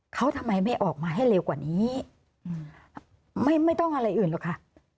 เขาทำไมไม่ออกมาให้เร็วกว่านี้ไม่ต้องอะไรอื่นหรอกค่ะ